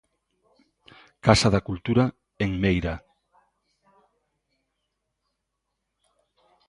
Casa da Cultura, en Meira.